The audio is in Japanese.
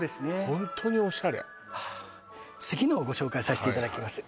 ホントにオシャレ次のをご紹介させていただきます